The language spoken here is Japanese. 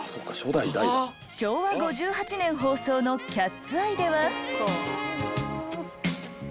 昭和５８年放送の『キャッツ・アイ』では。